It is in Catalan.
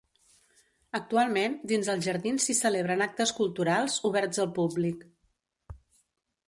Actualment, dins els jardins s'hi celebren actes culturals, oberts al públic.